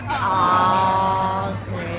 สำหรับแฟน